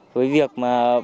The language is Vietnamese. với việc mà